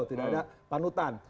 tidak ada panutan